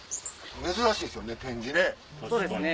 珍しいですよね展示ね。